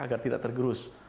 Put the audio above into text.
agar tidak tergerus